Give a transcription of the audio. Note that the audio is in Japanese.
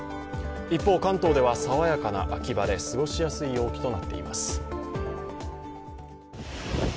一方、関東では爽やかな秋晴れ、過ごしやすい陽気となっています。